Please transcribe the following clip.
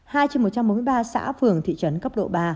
hai trên một trăm bốn mươi ba xã phường thị trấn cấp độ ba